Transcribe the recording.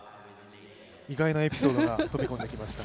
意外なエピソードが飛び込んできました。